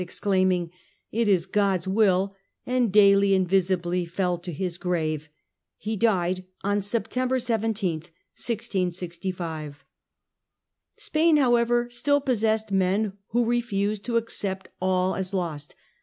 exclaiming, * It is God's will !' and daily and visibly fell to his grave. He died on September 17, 1665. Spain however still possessed men who refused to accept all as lost.